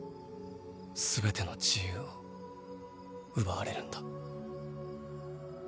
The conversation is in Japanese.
すべての自由を奪われるんだ。